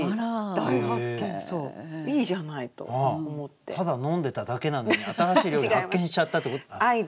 ただ飲んでただけなのに新しい料理発見しちゃったってこと？